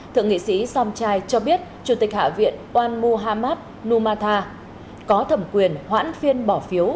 thượng nghị sĩ somchai cho biết chủ tịch hạ viện quan muhamad numata có thẩm quyền hoãn phiên bỏ phiếu